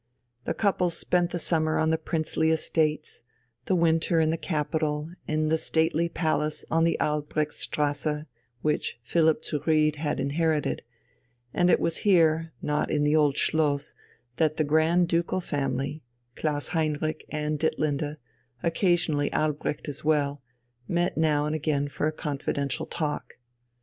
The couple spent the summer on the princely estates, the winter in the capital in the stately palace in the Albrechtstrasse, which Philipp zu Ried had inherited; and it was here, not in the Old Schloss, that the Grand Ducal family Klaus Heinrich and Ditlinde, occasionally Albrecht as well met now and again for a confidential talk.